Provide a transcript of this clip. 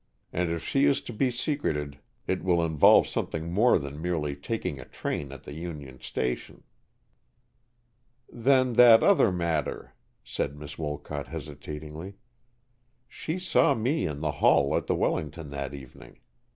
And if she is to be secreted, it will involve something more than merely taking a train at the Union Station." "Then that other matter," said Miss Wolcott, hesitatingly. "She saw me in the hall at the Wellington that evening.